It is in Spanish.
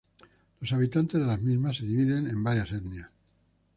Los habitantes de la misma se dividen en varias etnias.